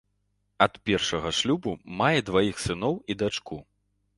Ад першага шлюбу мае дваіх сыноў і дачку.